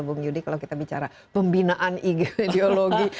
bung yudi kalau kita bicara pembinaan ideologi